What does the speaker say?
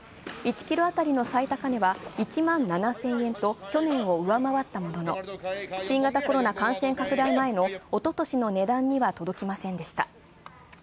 １キロあたりの最高値は１万７０００円と去年を上回ったものの、新型コロナ感染拡大前のおととしの値段には届きませんでした。